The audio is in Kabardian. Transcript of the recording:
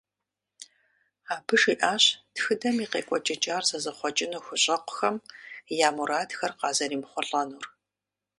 Абы жиӀащ тхыдэм и къекӀуэкӀыкӀар зэзыхъуэкӀыну хущӀэкъухэм я мурадхэр къазэремыхъулӀэнур.